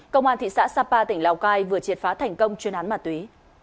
công an thị xã sapa tỉnh lào cai vừa triệt phá thành công chuyên án ma túy